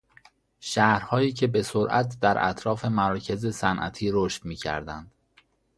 شهرهایی که به سرعت در اطراف مراکز صنعتی رشد میکردند